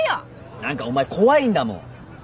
何かお前怖いんだもん。